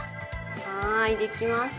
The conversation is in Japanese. はい出来ました。